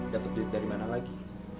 dapat duit dari mana lagi